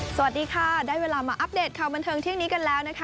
สวัสดีค่ะได้เวลามาอัปเดตข่าวบันเทิงเที่ยงนี้กันแล้วนะคะ